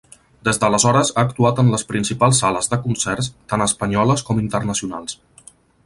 Des d'aleshores ha actuat en les principals sales de concerts tant espanyoles com internacionals.